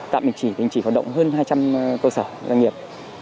tạm mình chỉ hành động hơn hai trăm linh cơ sở doanh nghiệp